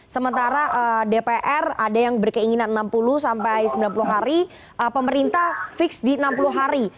sementara dpr ada yang berkeinginan enam puluh sampai sembilan puluh hari pemerintah fix di enam puluh hari